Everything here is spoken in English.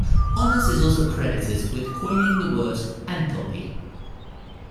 Onnes is also credited with coining the word "enthalpy".